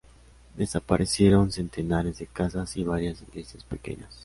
Desaparecieron centenares de casas y varias iglesias pequeñas.